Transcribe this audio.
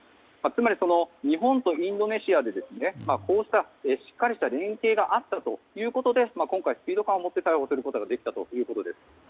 つまり、日本とインドネシアでしっかりした連携があったということで今回、スピード感を持って逮捕することができたということです。